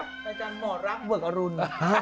ก็การหมอรับเบิกลูน